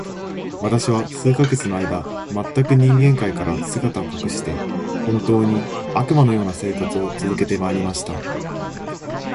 私は数ヶ月の間、全く人間界から姿を隠して、本当に、悪魔の様な生活を続けて参りました。